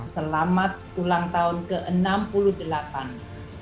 selamat ulang tahun ke enam puluh delapan